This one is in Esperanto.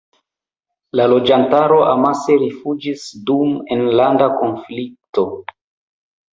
La loĝantaro amase rifuĝis dum la enlanda konflikto.